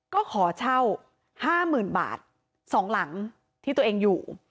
ก็ขอเช่าห้าหมื่นบาทสองหลังที่ตัวเองอยู่